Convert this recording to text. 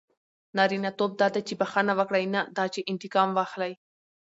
نارینه توب دا دئ، چي بخښنه وکړئ؛ نه دا چي انتقام واخلى.